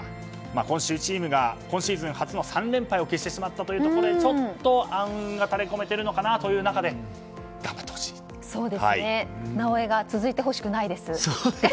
今週チームが今シーズン初連敗を喫してしまったということでちょっと暗雲が垂れ込めているのかなという中でなおエが続いてほしくないです。